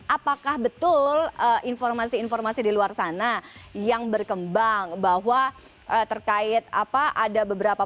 apakah betul informasi informasi di luar sana yang berkembang bahwa terkait apa ada beberapa